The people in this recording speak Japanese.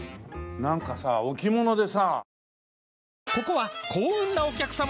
なんかさ置物でさ。